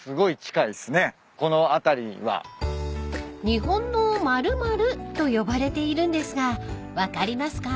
［日本の○○と呼ばれているんですが分かりますか？］